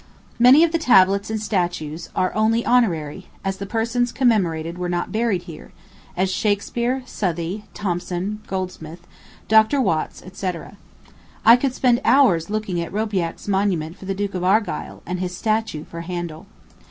Many of the tablets and statues are only honorary, as the persons commemorated were not buried here; as Shakspeare, Southey, Thomson, Goldsmith, Dr. Watts, &c. I could spend hours looking at Roubilliac's monument for the Duke of Argyle and his statue for Handel.